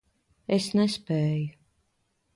Es nespēju.